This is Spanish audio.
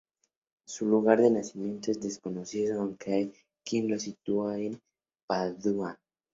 Su lugar de nacimiento es desconocido, aunque hay quien lo sitúa en Padua.